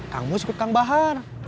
kang mus ikut kang bahar